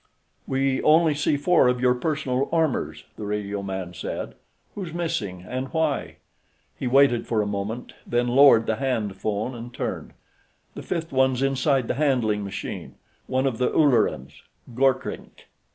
"We only see four of your personal armors," the radioman said. "Who's missing, and why?" He waited for a moment, then lowered the hand phone and turned. "The fifth one's inside the handling machine. One of the Ullerans. Gorkrink."